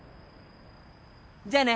じゃあね。